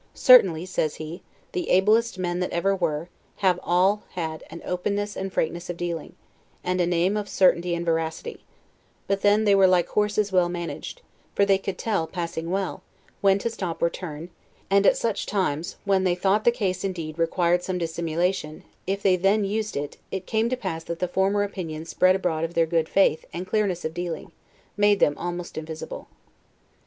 Certainly (says he) the ablest men that ever were, have all had an openness and frankness of dealing, and a name of certainty and veracity; but then, they were like horses well managed; for they could tell, passing well, when to stop or turn; and at such times, when they thought the case indeed required some dissimulation, if then they used it, it came to pass that the former opinion spread abroad of their good faith and clearness of dealing, made them almost invisible.